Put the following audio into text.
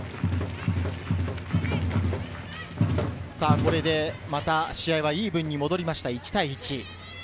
これで試合ばイーブンに戻りました、１対１。